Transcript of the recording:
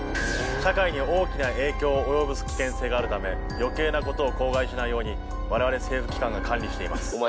社会に大きな影響を及ぼす危険性があるため余計なことを口外しないように我々政府機関が管理しています。